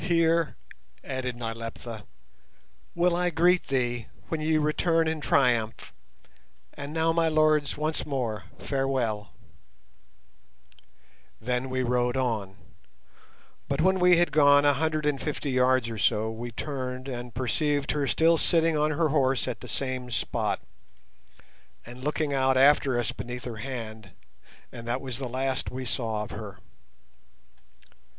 "Here," added Nyleptha, "will I greet thee when ye return in triumph. And now, my lords, once more, farewell!" Then we rode on, but when we had gone a hundred and fifty yards or so, we turned and perceived her still sitting on her horse at the same spot, and looking out after us beneath her hand, and that was the last we saw of her.